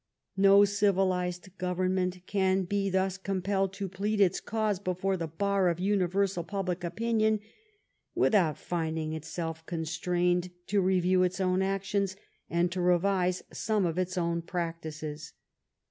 No civilized Government can be thus compelled to plead its cause before the bar of universal public opinion without finding itself constrained to review its own actions and to revise some of its own practices.